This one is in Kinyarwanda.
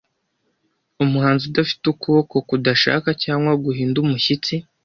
umuhanzi udafite ukuboko kudashaka cyangwa guhinda umushyitsi